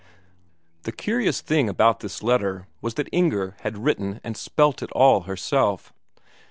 The curious thing about this letter was that Inger had written and spelt it all herself.